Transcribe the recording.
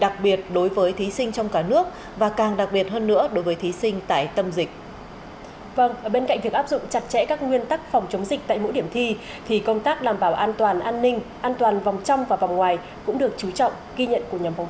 cũng được chú trọng ghi nhận của nhóm phóng viên